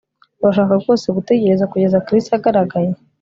Urashaka rwose gutegereza kugeza Chris agaragaye